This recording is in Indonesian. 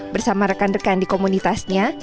bersama rekan rekan di komunitasnya